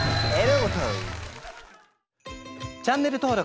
チャンネル登録。